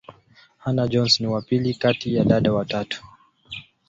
Hannah-Jones ni wa pili kati ya dada watatu.